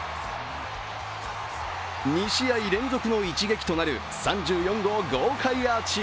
２試合連続の一撃となる３４号豪快アーチ。